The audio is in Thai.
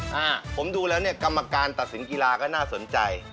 อ่าผมดูแล้วเนี่ยกรรมการตัดสินกีฬาก็น่าสนใจ